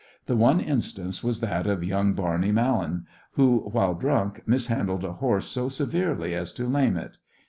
The one instance was that of young Barney Mallan, who, while drunk, mishandled a horse so severely as to lame it.